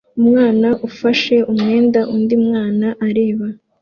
Umwana ufashe umwenda undi mwana areba